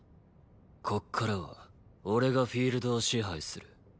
ここからは俺がフィールドを支配する。